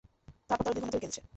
তারপর তো দুই ঘন্টা ধরে কেঁদেছে।